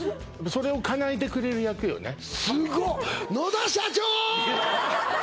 それをかなえてくれる役よねすごっ！